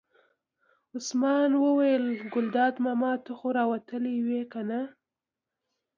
عثمان جان وویل: ګلداد ماما ته خو را وتلې وې کنه.